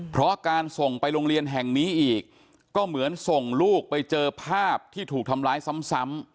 เพราะการส่งไปโรงเรียนแห่งนี้อีกก็เหมือนส่งลูกไปเจอภาพที่ถูกทำร้ายซ้ำ